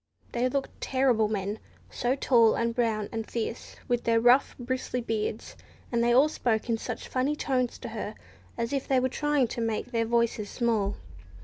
They looked terrible men, so tall and brown and fierce, with their rough bristly beards; and they all spoke in such funny tones to her, as if they were trying to make their voices small.